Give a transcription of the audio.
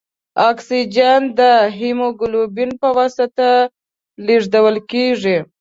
اکسیجن د هیموګلوبین په واسطه لېږدوال کېږي.